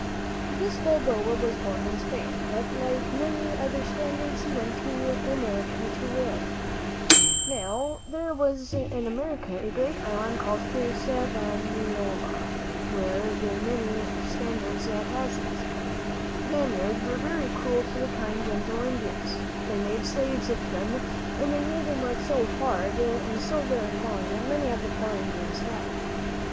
This Balboa was born in Spain; but like many other Spaniards, he went to America to live. tin ''mimm 26 THE WHITE TYRANT O F D A R I E N r ^'i^ f £ss3 K^^ Now there was in America a great island called Hispaniola, where many Spaniards had houses. These Spaniards were very cruel to the kind, gentle Indians. They made slaves of them, and they made them work so very hard and so very long that many of the poor Indians died.